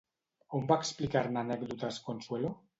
On va explicar-ne anècdotes Consuelo?